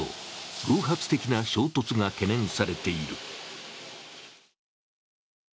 偶発的な衝突が懸念されている。